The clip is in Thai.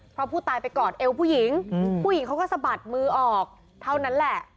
เพราะผู้ตายไปกอดเอวผู้หญิงผู้หญิงเขาก็สะบัดมือออกเท่านั้นแหละ